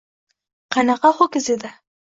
Qandaqa ho‘kiz edi